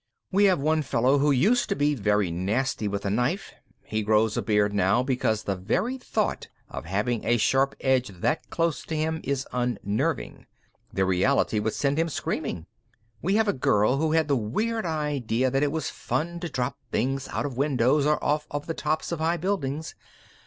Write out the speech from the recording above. We have one fellow who used to be very nasty with a knife; he grows a beard now because the very thought of having a sharp edge that close to him is unnerving. The reality would send him screaming. We have a girl who had the weird idea that it was fun to drop things out of windows or off the tops of high buildings.